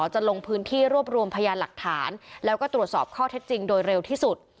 จะลงพื้นที่รวบรวมพยานหลักฐานแล้วก็ตรวจสอบข้อเท็จจริงโดยเร็วที่สุด